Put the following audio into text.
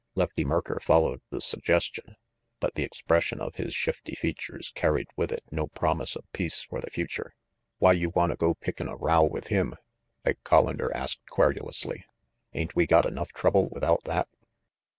Lefty Merker followed the suggestion, but the expression of his shifty features carried with it no promise of peace for the future. "Why you wanta go pickin' a row with him?" Ike (Hollander asked querulously. "Ain't we got enough trouble without that?"